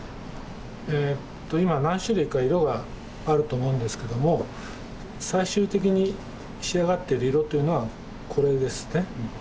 今何種類か色があると思うんですけども最終的に仕上がっている色というのはこれですね。